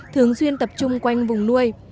thường xuyên tập trung quanh vùng nuôi